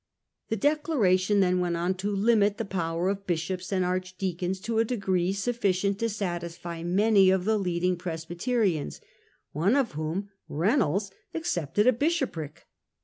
The Declaration then went on to limit the power of bishops and archdeacons in a degree sufficient to satisfy many of the leading Presby terians, one of whom, Reynolds, accepted a bishopric.